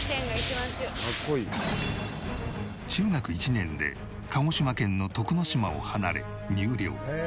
中学１年で鹿児島県の徳之島を離れ入寮。